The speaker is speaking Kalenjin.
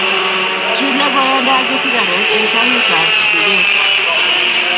chule boyonde age sikaret eng' sang'utab duket